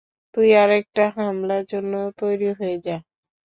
তুই আরেকটা হামলার জন্য তৈরি হয়ে যা।